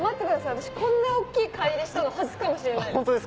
私こんな大っきい櫂入れしたの初かもしれないです。